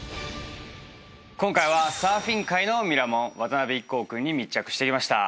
今回はサーフィン界のミラモン渡邉壱孔君に密着してきました。